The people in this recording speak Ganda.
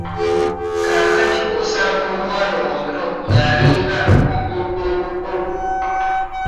Kaakati osanga omwana omuto nga alinga omuntu omukulu.